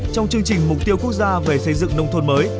trong chương trình mục tiêu quốc gia về xây dựng nông thôn mới